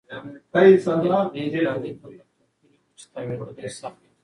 یخنۍ کالي دومره کلک کړي وو چې تاوېدل یې سخت وو.